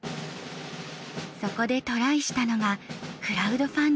そこでトライしたのがクラウドファンディング。